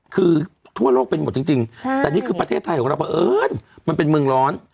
คือทั่วโลกเป็นหมดจริงแต่นี่คือประเทศไทยของเราเพราะเอิญมันเป็นเมืองร้อน